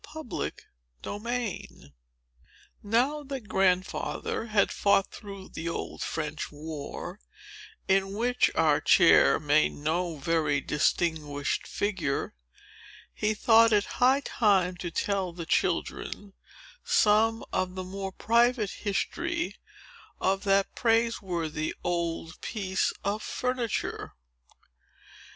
Chapter XI Now that Grandfather had fought through the Old French War, in which our chair made no very distinguished figure, he thought it high time to tell the children some of the more private history of that praiseworthy old piece of furniture.